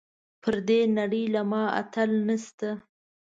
پر دې نړۍ له ما اتل نشته .